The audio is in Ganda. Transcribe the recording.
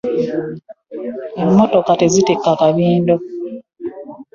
Emmotoka tezitikka kabinda.